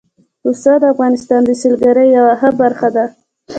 پسه د افغانستان د سیلګرۍ یوه ښه برخه ده.